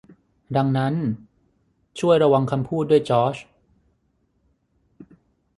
ดังนั้น ช่วยระวังคำพูดด้วยจอร์จ